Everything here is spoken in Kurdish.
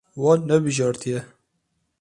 Wan nebijartiye.